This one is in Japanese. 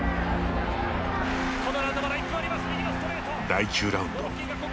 第９ラウンド。